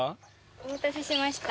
お待たせしました。